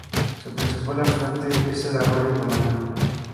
Su principal afluente es el arroyo Polanco.